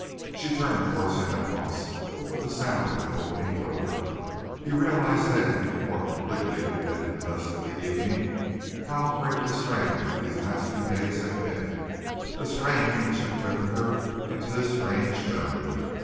She turned towards him at once with the sound of the opening door. He realized then, more completely than in the dusk of the evening, how great the strain of these last few days had been, the strain which had driven her into this strange journey.